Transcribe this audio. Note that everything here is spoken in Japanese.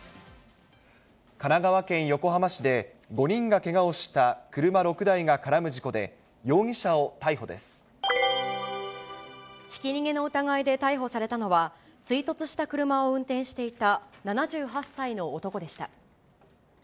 神奈川県横浜市で、５人がけがをした車６台が絡む事故で、容疑者ひき逃げの疑いで逮捕されたのは、追突した車を運転していた７８歳の男でした。